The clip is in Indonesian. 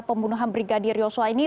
pembunuhan brigadir yosua ini